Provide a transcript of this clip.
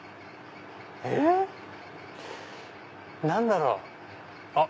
何だろう？